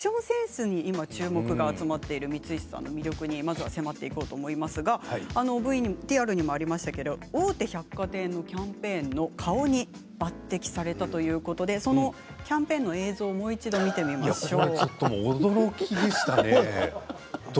ＶＴＲにもありましたがファッションセンスに注目が集まっているということでＶＴＲにもありましたが大手百貨店のキャンペーンの顔に抜てきされたということでキャンペーンの映像をもう一度見てみましょう。